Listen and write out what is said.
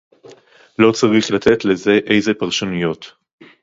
לא צריך לתת לזה איזה פרשנויות